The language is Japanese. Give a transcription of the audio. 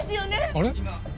あれ？